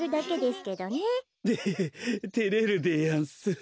でへへてれるでやんす。